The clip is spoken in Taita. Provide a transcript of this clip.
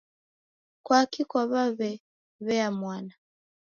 Kwaki kwaw'amwew'ea mwana